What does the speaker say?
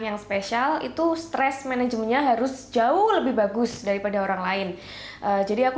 yang spesial itu stress manajemennya harus jauh lebih bagus daripada orang lain jadi aku